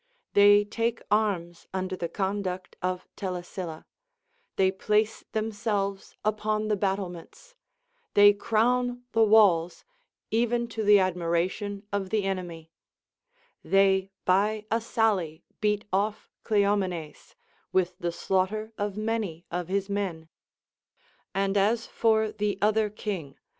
They ' take arms under the conduct of Telesilla, they place themselves upon the battlements, they crown the walls, even to the admiration of the enemy ; they by a sally beat off" Cleomenes, Avith the slaughter of many of his men ; and as for the other king.